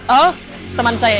oh teman saya